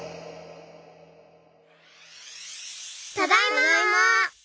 ただいま！